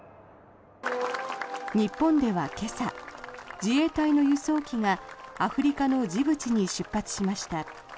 日本では今朝、自衛隊の輸送機がアフリカのジブチに出発しました。